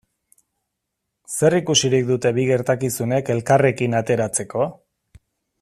Zer ikusirik dute bi gertakizunek elkarrekin ateratzeko?